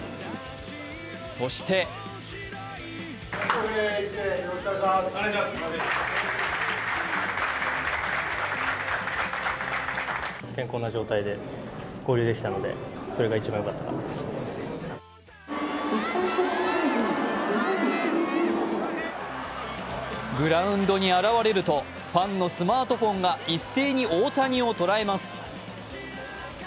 そしてグラウンドに現れると、ファンのスマートフォンが一斉に大谷を捉えます。